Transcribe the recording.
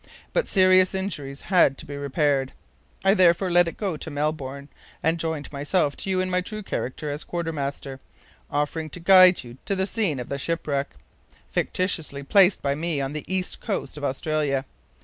But serious injuries had to be repaired. I therefore let it go to Melbourne, and joined myself to you in my true character as quartermaster, offering to guide you to the scene of the shipwreck, fictitiously placed by me on the east coast of Australia.